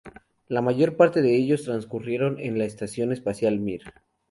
La mayor parte de ellos transcurrieron en la estación espacial Mir.